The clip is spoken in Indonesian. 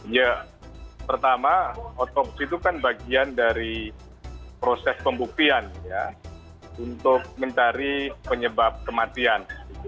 ya pertama otopsi itu kan bagian dari proses pembuktian ya untuk mencari penyebab kematian